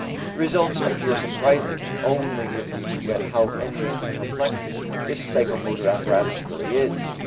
The results appear surprising only if we forget how endlessly complex this psychomotor apparatus really is.